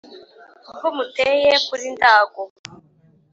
Ubwo muteye kuri Ndago